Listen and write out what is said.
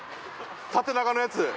縦長のやつ。